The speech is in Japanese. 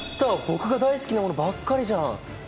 僕が大好きなものばっかりじゃん。